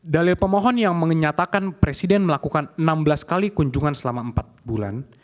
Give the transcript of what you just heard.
dalil pemohon yang menyatakan presiden melakukan enam belas kali kunjungan selama empat bulan